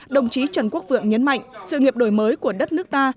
đồng chí trần quốc vượng nhấn mạnh sự nghiệp đổi mới của đất nước ta